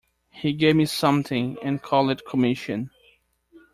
He gave me something and called it commission.